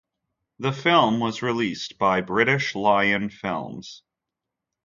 The film was released by British Lion Films.